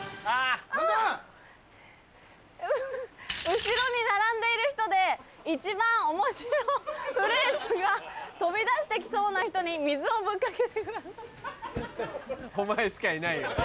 後ろに並んでいる人で一番面白いフレーズが飛び出して来そうな人に水をぶっかけてください。